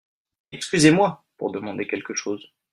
Excusez-moi… ! (pour demander quelque chose).